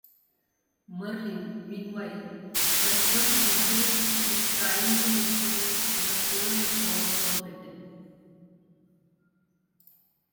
Merlin, meanwhile, concerns himself with trying to restore the old gods of Britain.